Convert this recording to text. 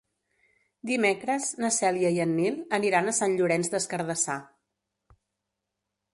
Dimecres na Cèlia i en Nil aniran a Sant Llorenç des Cardassar.